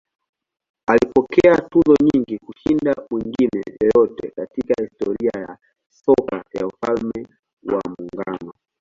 Alipokea tuzo nyingi kushinda mwingine yeyote katika historia ya soka ya Ufalme wa Muungano.